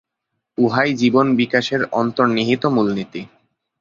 উহাই জীবন-বিকাশের অন্তর্নিহিত মূল নীতি।